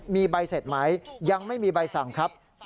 มีใบเสร็จไหมยังไม่มีใบสั่งครับ